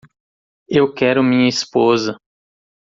Eu quero minha esposa.